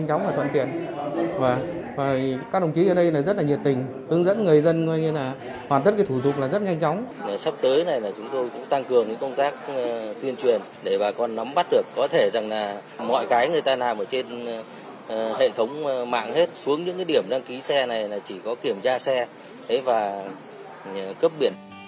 sắp tới này là chúng tôi cũng tăng cường những công tác tuyên truyền để bà con nắm bắt được có thể rằng là mọi cái người ta làm ở trên hệ thống mạng hết xuống những cái điểm đăng ký xe này là chỉ có kiểm tra xe và cấp biển